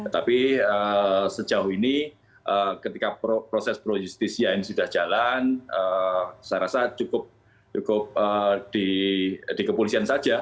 tapi sejauh ini ketika proses pro justisia ini sudah jalan saya rasa cukup di kepolisian saja